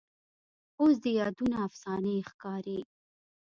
اوس دي یادونه افسانې ښکاري